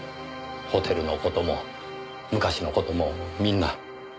ホテルの事も昔の事もみんな。